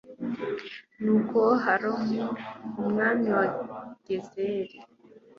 nuko horamu, umwami wa gezeri